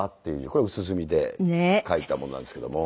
これは薄墨で書いたものなんですけども。